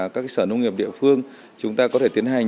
các sở nông nghiệp địa phương chúng ta có thể tiến hành